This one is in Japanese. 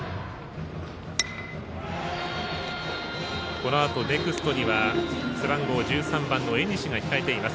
このあと、ネクストには背番号１３番の江西が控えています。